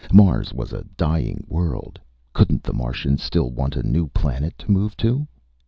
Mars was a dying world. Couldn't the Martians still want a new planet to move to?